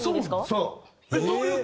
そう！